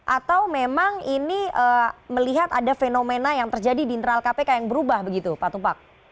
atau memang ini melihat ada fenomena yang terjadi di internal kpk yang berubah begitu pak tumpak